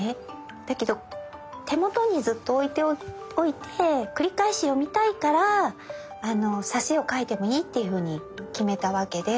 だけど手元にずっと置いておいて繰り返し読みたいから挿絵を描いてもいいっていうふうに決めたわけで。